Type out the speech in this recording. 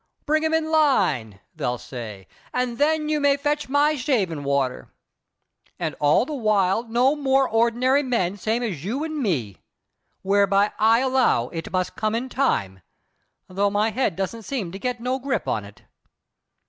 Bring 'em in line,' they'll say, 'an' then you may fetch my shaving water' and all the while no more'n ordinary men, same as you and me. Whereby I allow it must come in time, though my head don't seem to get no grip on it."